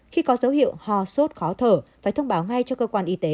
khi có dấu hiệu ho sốt khó thở phải thông báo ngay cho cơ quan y tế